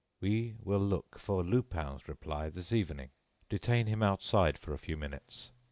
"We will look for Lupin's reply this evening. Detain him outside for a few minutes.